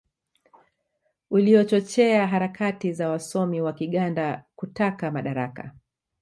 uliochochea harakati za wasomi wa Kiganda kutaka madaraka